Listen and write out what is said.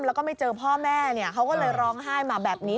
แล้วก็ไม่เจอพ่อแม่เขาก็เลยร้องไห้มาแบบนี้